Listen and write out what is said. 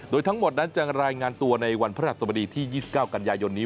โดยทั้งหมดนั้นจะรายงานตัวในวันพระราชสมดีที่๒๙กันยายนนี้